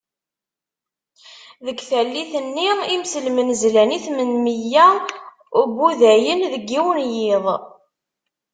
Deg tallit-nni, imselmen zlan i tmen-mya n Wudayen deg yiwen n yiḍ.